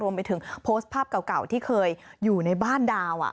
รวมไปถึงโพสต์ภาพเก่าที่เคยอยู่ในบ้านดาว